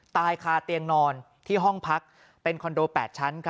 ตายคาเตียงนอนที่ห้องพักเป็นคอนโด๘ชั้น